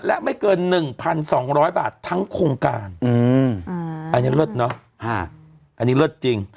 และไม่เกิน๑๒๐๐บาททั้งโครงการอันนี้เลิศเนอะอันนี้เลิศจริง